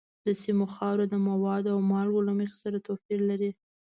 د سیمو خاوره د موادو او مالګو له مخې سره توپیر لري.